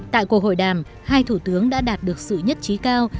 tại cuộc hội đàm hai thủ tướng đã đạt được sự nhất trí cao